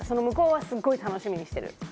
向こうはすっごい楽しみにしてる。